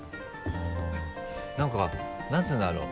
何か何て言うんだろう？